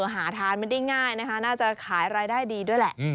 หาทานไม่ได้ง่ายนะคะน่าจะขายรายได้ดีด้วยแหละ